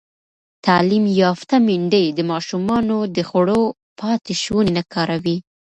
تعلیم یافته میندې د ماشومانو د خوړو پاتې شوني نه کاروي.